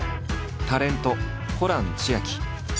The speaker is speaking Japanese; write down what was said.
タレントホラン千秋。